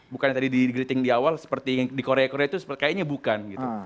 bukan yang tadi di greeting di awal seperti yang di korea korea itu sepertinya bukan